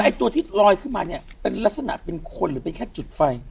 ตัวที่ลอยขึ้นมาเนี่ยเป็นลักษณะเป็นคนหรือเป็นแค่จุดไฟ